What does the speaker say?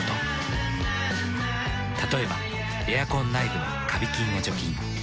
例えばエアコン内部のカビ菌を除菌。